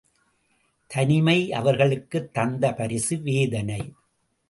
தனிமை அவர்களுக்குத் தந்த பரிசு வேதனை.